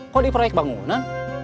kok di proyek bangunan